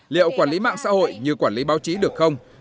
liệu quản lý mạng xã hội như quản lý báo chí được không